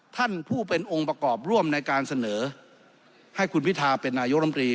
ท่านผู้เป็นองค์ประกอบร่วมในการเสนอให้คุณพิทาเป็นนายกรรมตรี